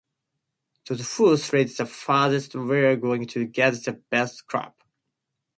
Those who slid the farthest were going to get the best crop.